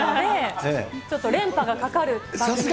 ちょっと連覇がかかる番組になります。